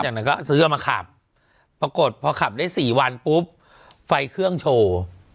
จากนั้นก็ซื้อเอามาขับปรากฏพอขับได้สี่วันปุ๊บไฟเครื่องโชว์